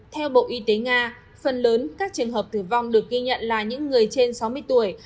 theo bộ y tế nga phần lớn các trường hợp tử vong được ghi nhận là những người trên sáu mươi tuổi